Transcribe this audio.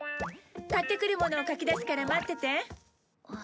買ってくるものを書き出すから待ってて。